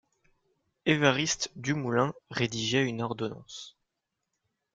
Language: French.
Évariste Dumoulin rédigeait une ordonnance.